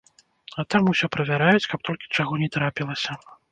А там усё правяраюць, каб толькі чаго не трапілася.